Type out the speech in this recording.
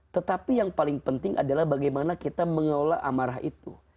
tetapi yang paling penting adalah bagaimana kita mengelola amarah itu